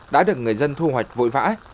đã được người dân thu hoạch vội vã